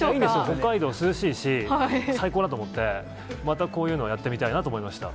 北海道涼しいし、最高だと思って、またこういうのをやってみたいなと思いました。